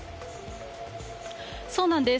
そうなんです。